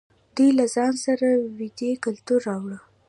دوی له ځان سره ویدي کلتور راوړ.